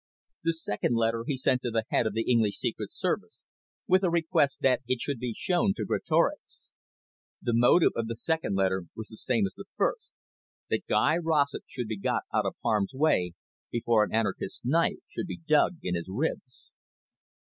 The second letter he sent to the head of the English Secret Service with a request that it should be shown to Greatorex. The motive of the second letter was the same as the first, that Guy Rossett should be got out of harm's way, before an anarchist knife should be dug in his ribs.